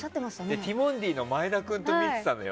ティモンディの前田君と見てたのよ。